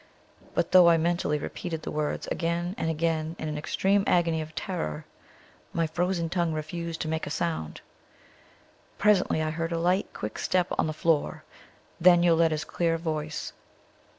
but though I mentally repeated the words again and again in an extreme agony of terror, my frozen tongue refused to make a sound. Presently I heard a light, quick step on the floor, then Yoletta's clear voice.